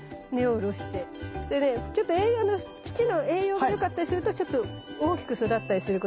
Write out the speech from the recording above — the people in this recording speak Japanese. でね土の栄養が良かったりするとちょっと大きく育ったりすることも。